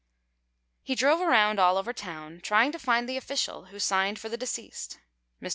He drove around all over town, trying to find the official who signed for the deceased. Mr.